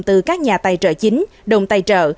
từ các nhà tài trợ chính đồng tài trợ